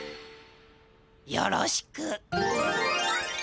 よろしく。